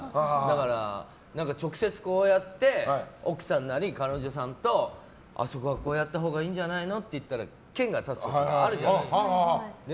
直接こうやって奥さんなり彼女さんとあそこはこうやったほうがいいんじゃないのって言ったらけんが立つこともあるじゃないですか。